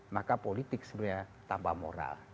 maka politik sebenarnya tambah moral